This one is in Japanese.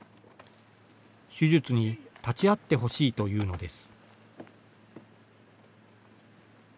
手術に立ち会ってほしいというのです。